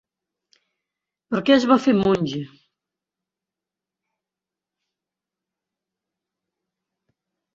Per què es va fer monja?